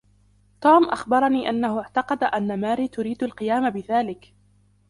توم أخبرني أنه اعتقد أن ماري تريد القيام بذلك